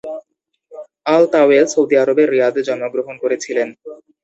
আল-তাওয়েল Saudi আরবের রিয়াদে জন্মগ্রহণ করেছিলেন।